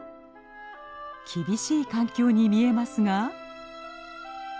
厳しい環境に見えますが。